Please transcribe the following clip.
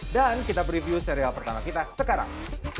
dan kita preview serial pertama kita sekarang